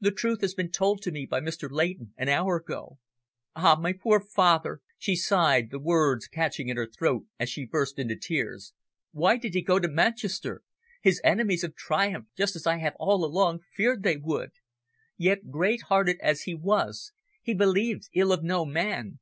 The truth has been told to me by Mr. Leighton an hour ago. Ah! my poor dear father!" she sighed, the words catching in her throat as she burst into tears. "Why did he go to Manchester? His enemies have triumphed, just as I have all along feared they would. Yet, great hearted as he was, he believed ill of no man.